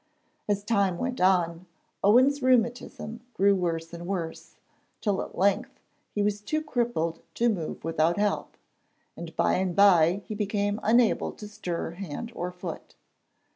As time went on, Owen's rheumatism grew worse and worse, till at length he was too crippled to move without help, and by and bye he became unable to stir hand or foot.